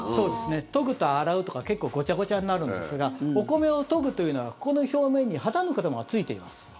研ぐと洗うとか結構ごちゃごちゃになるんですがお米を研ぐというのはこの表面に肌ぬかというものがついています。